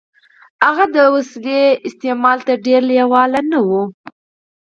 هغه د وسيلې استعمال ته ډېر لېوال نه و.